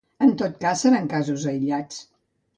En tot cas seran casos aïllats.